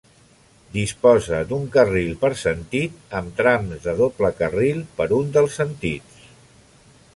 Disposa d'un carril per sentit amb trams de doble carril per un dels sentits.